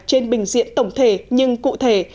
trên bình diện tổng thể nhưng cụ thể